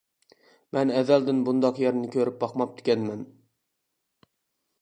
مەن ئەزەلدىن بۇنداق يەرنى كۆرۈپ باقماپتىكەنمەن.